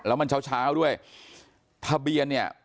แล้วมันเช้าเช้าด้วยทะเบียนเนี่ย